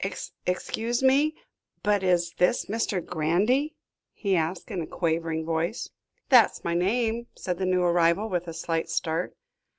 "Excuse me, but is this Mr. Granby?" he asked in a quavering voice. "That's my name," said the new arrival, with a slight start.